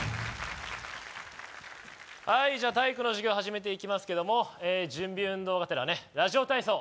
はいじゃあ体育の授業始めていきますけども準備運動がてらねラジオ体操